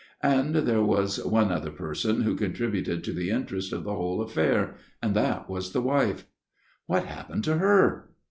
And there was one other person who contributed to the interest of the whole affair, and that was /the wife." " What happened to her